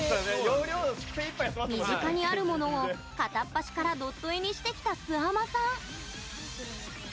身近にあるものを片っ端からドット絵にしてきた、すあまさん。